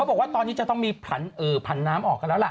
บอกว่าตอนนี้จะต้องมีผันน้ำออกกันแล้วล่ะ